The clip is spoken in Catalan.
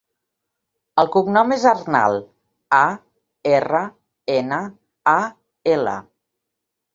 El cognom és Arnal: a, erra, ena, a, ela.